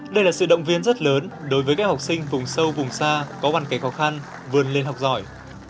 đây là sự động viên rất lớn đối với các em học sinh vùng sâu vùng xa có bàn kẻ khó khăn vươn lên học giỏi